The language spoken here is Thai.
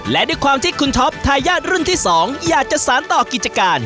และด้วยความที่คุณท็อปทายาทรุ่นที่๒อยากจะสารต่อกิจการ